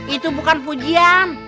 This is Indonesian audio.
itu bukan pujian